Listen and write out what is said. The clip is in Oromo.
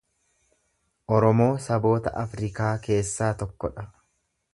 Oromoo saboota Afrikaa keessaa tokko dha.